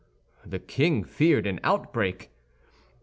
The king feared an outbreak.